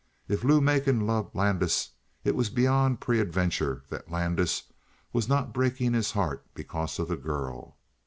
If Lou Macon loved Landis it was beyond peradventure that Landis was not breaking his heart because of the girl.